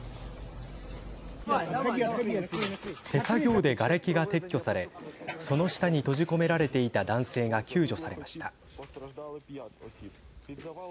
手作業で、がれきが撤去されその下に閉じ込められていた男性が救助されました。